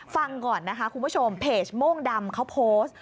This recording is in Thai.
ฟังก่อนนะคะคุณผู้ชมเพจโม่งดำเขาโพสต์